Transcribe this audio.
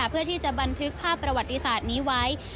เพื่อที่จะบันทึกภาพประวัติศาสตร์นี้ไว้